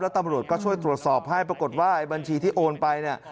แล้วตำรวจก็ช่วยตรวจสอบให้ปรากฏว่าบัญชีที่โอนไป